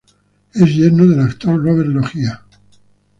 Es yerno del actor Robert Loggia.